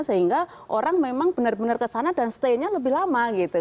sehingga orang memang benar benar ke sana dan stay nya lebih lama